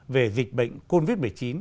về dịch bệnh covid một mươi chín